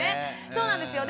そうなんですよ。